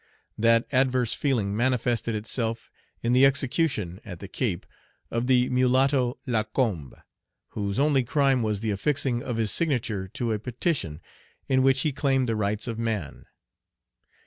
That adverse feeling manifested itself in the execution, at the Cape, of the mulatto Lacombe, whose only crime was the affixing of his signature to a petition, in which he claimed the rights of man.